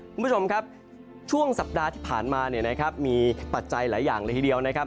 คุณผู้ชมครับช่วงสัปดาห์ที่ผ่านมาเนี่ยนะครับมีปัจจัยหลายอย่างเลยทีเดียวนะครับ